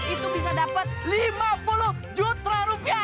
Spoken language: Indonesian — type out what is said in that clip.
itu bisa dapat lima puluh juta rupiah